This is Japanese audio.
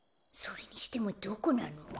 それにしてもどこなの？